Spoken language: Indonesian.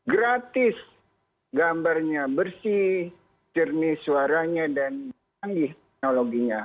gratis gambarnya bersih jernih suaranya dan canggih teknologinya